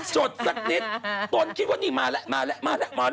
สดสักนิดตนคิดว่านี่มาแล้วมาแล้วมาแล้วมาแล้ว